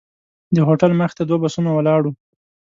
د هوټل مخې ته دوه بسونه ولاړ وو.